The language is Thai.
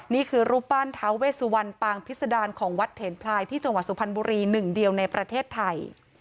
นี่คือรูปปั้นท้าเวสุวรรณปางพิษดารของวัดเถนพลายที่จังหวัดสุพรรณบุรีหนึ่งเดียวในประเทศไทย